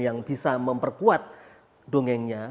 yang bisa memperkuat dungengnya